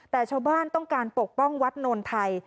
แต่ชาวบ้านต้องการปกป้องวัดโนนไทย